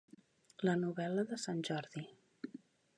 La novel·la de Sant Jordi.